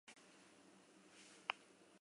Hamalaugarren edizioa izango da aurtengoa.